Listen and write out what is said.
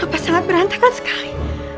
kenapa sangat berantakan sekali